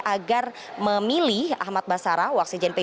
agar dia bisa mencari wakil ketua mpr